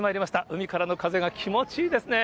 海からの風が気持ちいいですね。